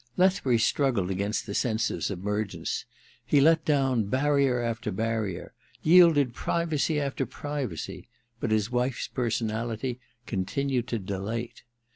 Lethbury struggled against the sense of sub mergence. He let down barrier after barrier, yielding privacy after privacy ; but his wife's personality continued to dilate.